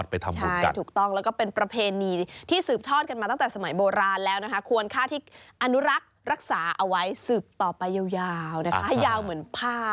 ซักรักษาเอาไว้สืบต่อไปยาวให้ยาวเหมือนผ้า